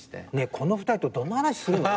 この２人とどんな話するの？